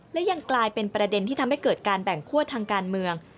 และยังกลายเป็นประเด็นที่ทำให้เกิดการแบ่งคั่วทางการเมือง